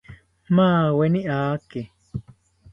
Maaweni aake